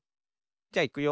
じゃいくよ。